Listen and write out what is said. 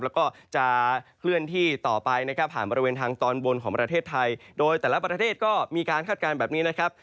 แล้วก็จะเคลื่อนที่ต่อไปนะครับผ่านบริเวณทางตอนบนของประเทศไทยโดยแต่ละประเทศก็มีการคาดการณ์แบบนี้นะครับ